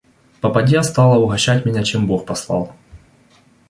Попадья стала угощать меня чем бог послал.